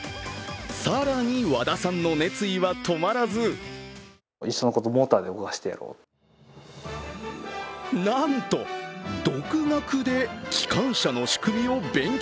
更に和田さんの熱意は止まらずなんと独学で機関車の仕組みを勉強。